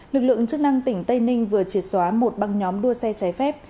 lực lượng chức năng tỉnh tây ninh vừa triệt xóa một băng nhóm đua xe trái phép